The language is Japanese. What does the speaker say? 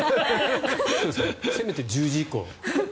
せめて１０時以降。